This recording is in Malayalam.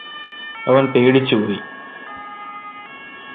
അവൻ പേടിച്ചുപോയി